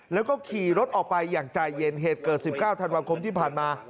แล้วก็ขี่รถออกไปอย่างใจเย็นเหตุเกิด๑๙ธันวาคมที่ผ่านมา